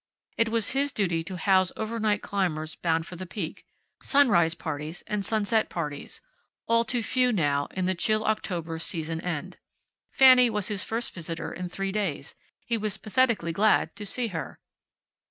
It was his duty to house overnight climbers bound for the Peak, sunrise parties and sunset parties, all too few now in the chill October season end. Fanny was his first visitor in three days. He was pathetically glad to see her.